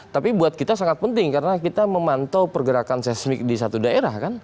tapi buat kita sangat penting karena kita memantau pergerakan seismik di satu daerah kan